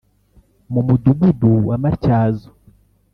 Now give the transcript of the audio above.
mu mudugudu wa Matyazo